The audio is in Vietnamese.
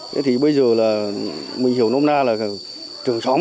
thế thì bây giờ là mình hiểu nôm na là trường xóm